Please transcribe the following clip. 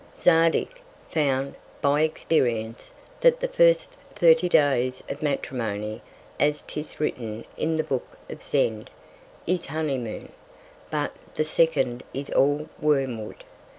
Zadig found, by Experience, that the first thirty Days of Matrimony (as 'tis written in the Book of Zend) is Honey Moon; but the second is all Wormwood.